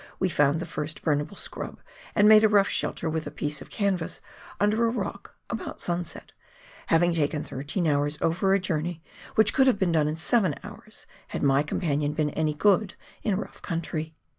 we found the first burnable scrub, and made a rough shelter with a piece of canvas under a rock, about sunset, having taken thirteen hours over a journey which could have been done in seven hours had my companion been any good in rough country.